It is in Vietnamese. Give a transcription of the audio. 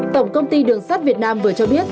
tổng công ty đường sắt việt nam vừa cho biết